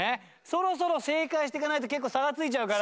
そろそろ正解していかないと結構差がついちゃうから。